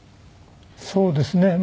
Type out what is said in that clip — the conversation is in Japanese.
そうですね。